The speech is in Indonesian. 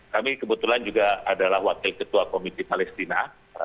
kami kebetulan juga adalah wakil ketua komisi palestina